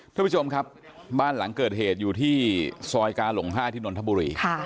ทุกผู้ชมครับบ้านหลังเกิดเหตุอยู่ที่ซอยกาหลง๕ที่นนทบุรี